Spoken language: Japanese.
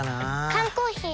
缶コーヒー